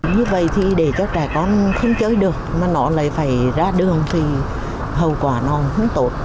như vậy thì để cho trẻ con không chơi được mà nó lại phải ra đường thì hậu quả nó cũng không tốt